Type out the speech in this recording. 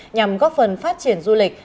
nhằm góp phần phát triển du lịch